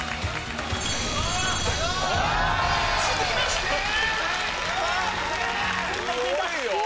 すごいよ！